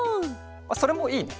それもいいね！